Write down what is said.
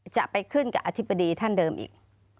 จะไปขึ้นกับอธิบดีท่านเดิมอีก